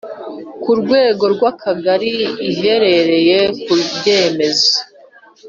ku rwego rwakagari ihereye ku byemezo